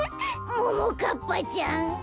ももかっぱちゃん。